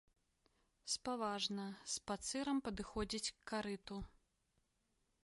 Спаважна, спацырам падыходзіць к карыту.